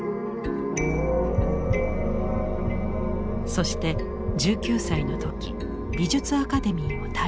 そして１９歳の時美術アカデミーを退学。